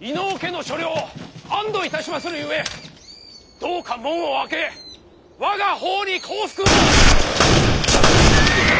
飯尾家の所領安堵いたしまするゆえどうか門を開け我が方に降伏を。